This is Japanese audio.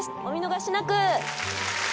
お見逃しなく！